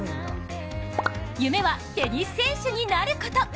夢はテニス選手になること。